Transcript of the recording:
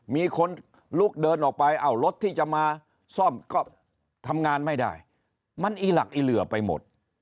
มีคนลุกเดินออกไปเอ้ารถที่จะมาซ่อมก็ทำงานไม่ได้มันอีหลักอีเหลือไปหมด